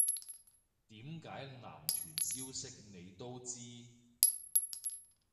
點解男團消息你都知